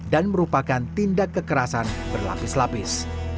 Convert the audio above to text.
dan merupakan tindak kekerasan berlapis lapis